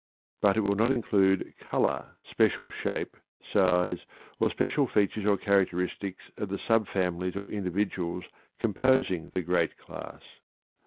But it will not include color, special shape, size, or special features or characteristics of the subfamilies or individuals composing the great class.